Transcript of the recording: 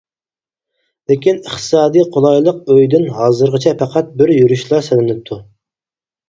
لېكىن ئىقتىسادى قولايلىق ئۆيدىن ھازىرغىچە پەقەت بىر يۈرۈشلا سېلىنىپتۇ.